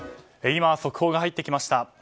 今、速報が入ってきました。